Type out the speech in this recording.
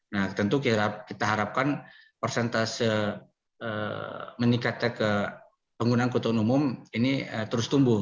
nah tentu kita harapkan persentase meningkatnya ke pengguna angkutan umum ini terus tumbuh